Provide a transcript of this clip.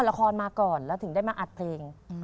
ละครมาก่อนแล้วถึงได้มาอัดเพลง